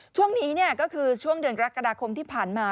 ช่วงนี้ก็คือช่วงเดือนกรกฎาคมที่ผ่านมา